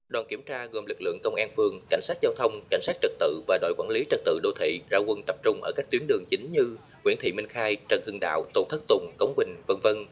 đoàn kiểm tra gồm lực lượng công an phường cảnh sát giao thông cảnh sát trật tự và đội quản lý trật tự đô thị ra quân tập trung ở các tuyến đường chính như nguyễn thị minh khai trần hưng đạo tô thất tùng cống quỳnh v v